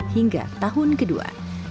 hingga tahun kedua